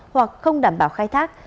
hoặc không đảm bảo khai thác